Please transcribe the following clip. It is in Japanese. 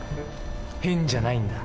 変じゃないんだ。